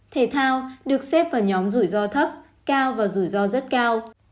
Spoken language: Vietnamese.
thể thao được xếp vào nhóm rủi ro thấp cao và rủi ro rất cao